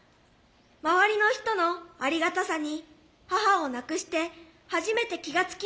周りの人のありがたさに母を亡くして初めて気が付きました。